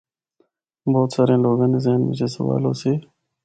بہت ساریاں لوگاں دے ذہن بچ اے سوال ہوسی۔